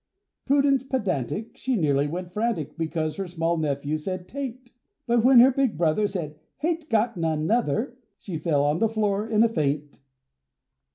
Prudence Pedantic, She nearly went frantic Because her small nephew said, "'Taint!" But when her big brother Said "Hain't got none, nuther!" She fell on the floor in a faint.